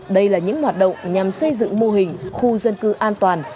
đây là những hoạt động nhằm xây dựng mô hình khu dân cư an toàn